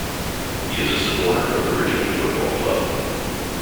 He is a supporter of the Richmond Football Club.